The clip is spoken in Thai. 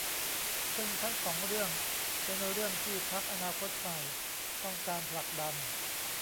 ซึ่งทั้งสองเรื่องเป็นเรื่องที่พรรคอนาคตใหม่ต้องการผลักดัน